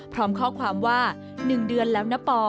พร้อมข้อความว่า๑เดือนแล้วนะปอ